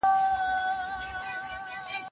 څه ډول خپل ځان ته هم د بخښني حق ورکړو؟